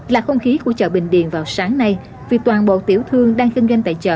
là không khí của chợ bình điền vào sáng nay vì toàn bộ tiểu thương đang kinh doanh tại chợ